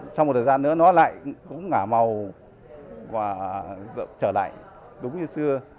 trong một thời gian nữa nó lại cũng ngả màu và trở lại đúng như xưa